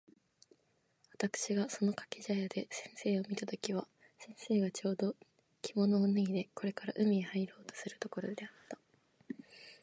私（わたくし）がその掛茶屋で先生を見た時は、先生がちょうど着物を脱いでこれから海へ入ろうとするところであった。